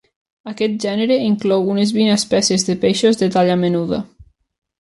Aquest gènere inclou unes vint espècies de peixos de talla menuda.